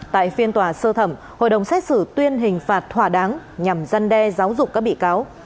tại phiên tòa sơ thẩm hội đồng xét xử tuyên hình phạt thỏa đáng nhằm gian đe giáo dục các bị cáo